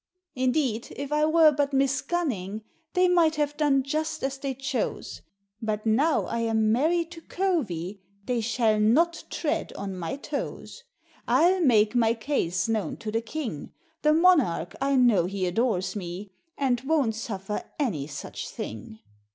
" Indeed, if I were but Miss Gunning, They might have done just as they chose, But now I am married to Covey, They shall not tread on my toes. I'll make my case known to the King, The Monarch I know he adores me. And won't suffer any such thing."